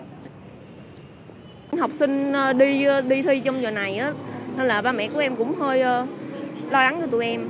học sinh đi thi trong giờ này nên là ba mẹ của em cũng hơi lo lắng cho tụi em